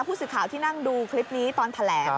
ผู้สื่อข่าวที่นั่งดูคลิปนี้ตอนแถลง